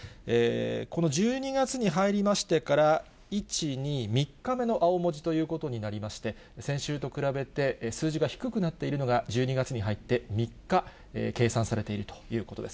この１２月に入りましてから、１、２、３日目の青文字ということになりまして、先週と比べて数字が低くなっているのが、１２月に入って３日計算されているということです。